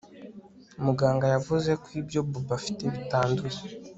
Muganga yavuze ko ibyo Bobo afite bitanduye